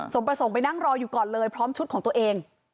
ประสงค์ไปนั่งรออยู่ก่อนเลยพร้อมชุดของตัวเอง